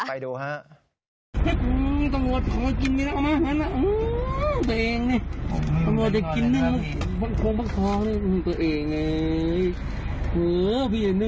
ไปดูครับ